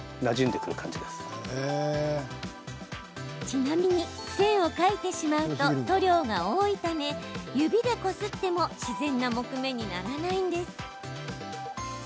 ちなみに、線を描いてしまうと塗料が多いため、指でこすっても自然な木目にならないんです。